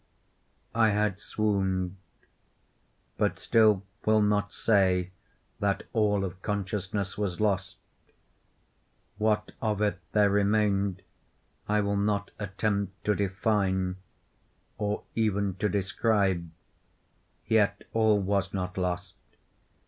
I had swooned; but still will not say that all of consciousness was lost. What of it there remained I will not attempt to define, or even to describe; yet all was not lost.